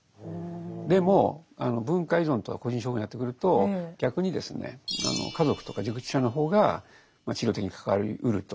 でも文化依存とか個人症候群になってくると逆にですね家族とか熟知者の方が治療的に関わりうると。